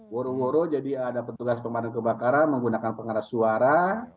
woro ngoro jadi ada petugas pemadam kebakaran menggunakan pengeras suara